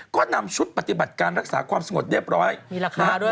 ก็นำชุดปฏิบัติการรักษาความสงบเรียบร้อยมีราคาด้วย